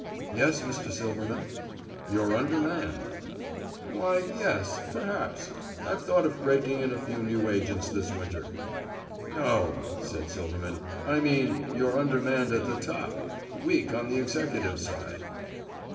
"Yes, Mr. Silverman." "You're undermanned." "Why, yes perhaps. I've thought of breaking in a few new agents this winter." "No," said Silverman, "I mean you're undermanned at the top. Weak on the executive side."